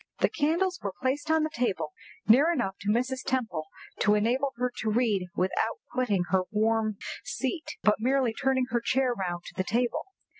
The candles were placed on the table near enough to Mrs. Temple to enable her to read without quitting her warm seat, but merely turning her chair round to the table.